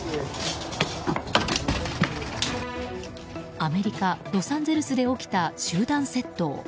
アメリカ・ロサンゼルスで起きた集団窃盗。